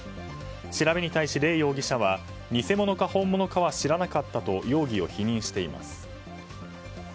調べに対し、レー容疑者は偽物か本物かは知らなかったと容疑を否認しています。